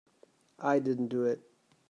I didn't do it.